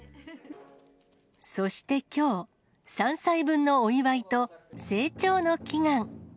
そしてきょう、３歳分のお祝いと、成長の祈願。